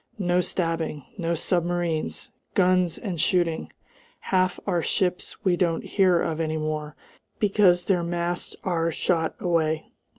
No stabbing! No submarines! Guns and shooting! Half our ships we don't hear of any more, because their masts are shot away.